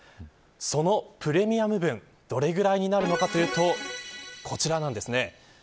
そのプレミアム分どれぐらいになるかというとこちらなんですね。